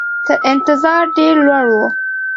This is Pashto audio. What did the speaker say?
تر انتظار ډېر لوړ وو.